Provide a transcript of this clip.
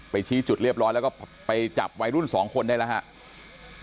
ชี้จุดเรียบร้อยแล้วก็ไปจับวัยรุ่นสองคนได้แล้วครับ